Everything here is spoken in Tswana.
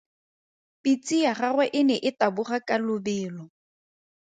Pitse ya gagwe e ne e taboga ka lobelo.